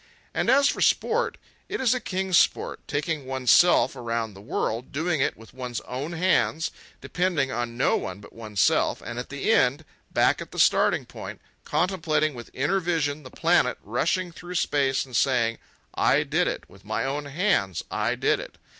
And as for sport, it is a king's sport, taking one's self around the world, doing it with one's own hands, depending on no one but one's self, and at the end, back at the starting point, contemplating with inner vision the planet rushing through space, and saying, "I did it; with my own hands I did it.